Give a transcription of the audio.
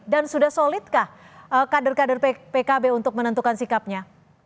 dan sudah solid kah kader kader pkb untuk menentukan sikapnya